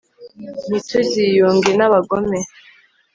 ntituziyunge n'abagome